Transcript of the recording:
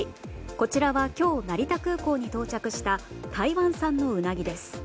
こちらは今日成田空港に到着した台湾産のウナギです。